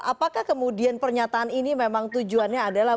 apakah kemudian pernyataan ini memang tujuannya adalah